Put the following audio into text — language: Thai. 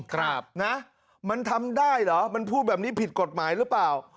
ครับนะมันทำได้เหรอมันพูดแบบนี้ผิดกฎหมายหรือเปล่า